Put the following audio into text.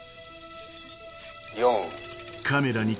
４。